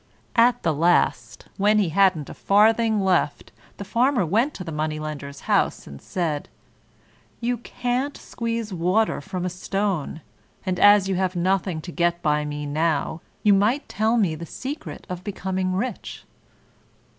At the last, when he hadn't a farthing left, the Farmer went to the Money lender's house and said, "You can't squeeze water from a stone, and, as you have nothing to get by me now, you might tell me the secret of becoming rich."